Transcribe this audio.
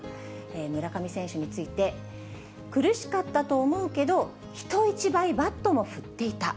村上選手について、苦しかったと思うけど、人一倍バットも振っていた。